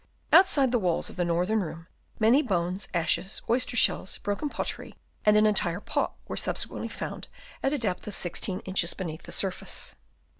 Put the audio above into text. Outside the walls of the northern room, many bones, ashes, oyster shells, broken pottery and an entire pot were subsequently found at a depth of 16 inches beneath the surface.